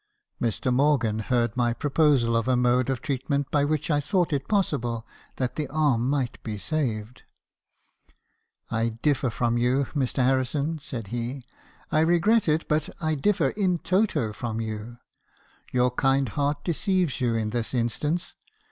"Mr. Morgan heard my proposal of a mode of treatment by which I thought it possible that the arm might be saved. " f I differ from you , Mr. Harrison ,' said he. ' I regret it , but I differ in toto from you. Your kind heart deceives you in this instance.